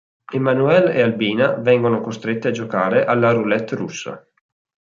Emanuelle e Albina vengono costrette a "giocare" alla roulette russa.